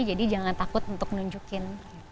jadi jangan takut untuk nunjukin